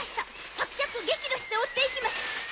伯爵激怒して追っていきます！